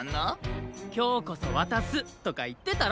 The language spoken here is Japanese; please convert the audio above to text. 「きょうこそわたす」とかいってたろ！